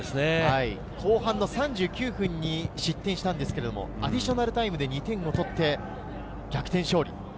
後半の３９分に失点してアディショナルタイムで２点を取って逆転勝利。